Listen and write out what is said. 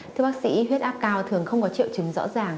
thưa bác sĩ huyết áp cao thường không có triệu chứng rõ ràng